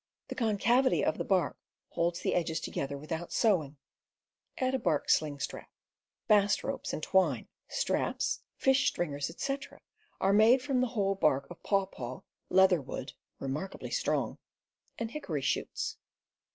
The concavity of the bark holds the edges together without sewing. Add a bark sling strap. Straps, fish stringers, etc., are made from the whole bark of pawpaw, leatherwood (remarkably strong), and ^ hickory shoots.